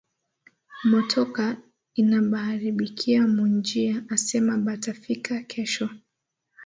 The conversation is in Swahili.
Motoka inabaaribikia mu njia asema bata fika kesho